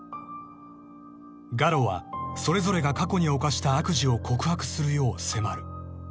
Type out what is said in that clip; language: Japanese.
［ガロはそれぞれが過去に犯した悪事を告白するよう迫る］